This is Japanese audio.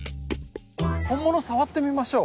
本物を触ってみましょう。